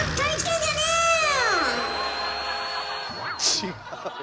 違う。